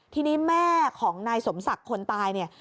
ทีนี้แม่ของนายสมศักดิ์คนตายเนี่ย